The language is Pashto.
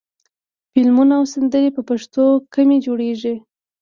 فلمونه او سندرې په پښتو کمې جوړېږي.